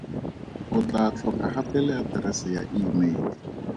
O tla tlhoka gape le aterese ya imeile.